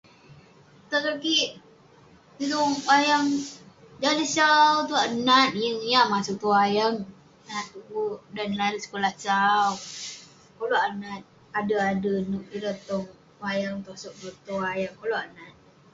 Tosog kik tai tong wayang, dan neh tue akouk nat, yeng akouk maseg tong wayang. Nat tue, dan larui sekulah sau. Koluk akouk nat ader ader nouk ireh tong wayang. Tosog tong wayang, koluk akouk nat.